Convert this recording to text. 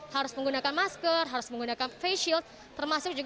harus menggunakan masker harus menggunakan face shield